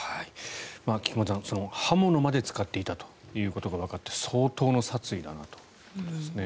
菊間さん、刃物まで使っていたということがわかって相当の殺意だなということですね。